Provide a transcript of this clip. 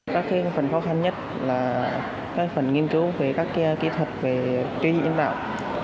các phần khó khăn nhất là phần nghiên cứu về các kỹ thuật về truy diện nhân tạo